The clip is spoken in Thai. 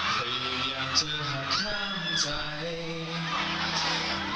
เคยอยากเจอหักข้างใจ